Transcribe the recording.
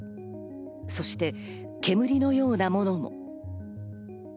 そして煙のようなものも。